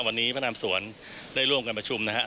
วันนี้พระนามสวนได้ร่วมกันประชุมนะฮะ